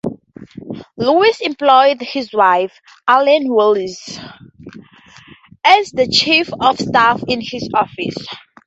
Lewis employed his wife, Arlene Willis, as the chief of staff in his office.